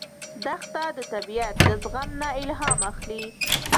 دښته د طبیعت له زغم نه الهام اخلي.